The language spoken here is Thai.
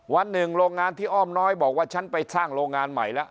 วันหนึ่งโรงงานที่อ้อมน้อยบอกว่าฉันไปสร้างโรงงานใหม่แล้ว